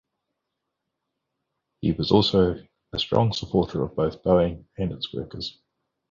He was also a strong supporter of both Boeing and its workers.